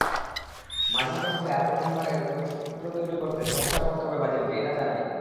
মাঝমাঠের সঙ্গে আক্রমণের যোগসূত্র তৈরি করতে সমস্যায় পড়তে হবে ব্রাজিলকে, এটা জানাই।